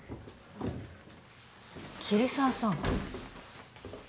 桐沢さん。